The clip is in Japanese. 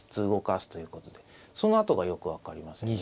そのあとがよく分かりませんね。